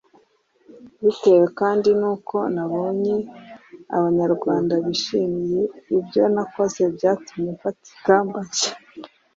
bitewe kandi n’uko nabonye abanyarwanda bishimiye ibyo nakoze byatumye mfata ingamba nshya